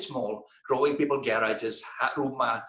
saya mulai kecil membangun garasi rumah